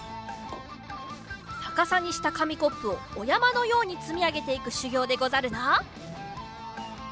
さかさにしたかみコップをおやまのようにつみあげていくしゅぎょうでござるな。